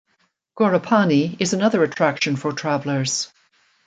Ghorepani is another attraction for travelers.